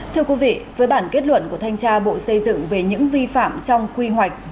thưa quý vị với bản kết luận của thanh tra bộ xây dựng về những vi phạm trong quy hoạch